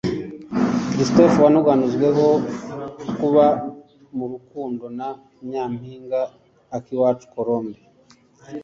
Christopher wanuganuzweho kuba mu rukundo na Nyampinga Akiwacu Colombe